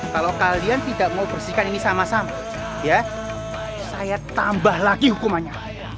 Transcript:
kalau kalian tidak mau bersihkan ini sama sama ya saya tambah lagi hukumannya